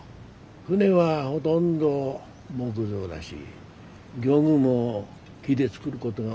船はほとんど木造だし漁具も木で作るこどが多がった。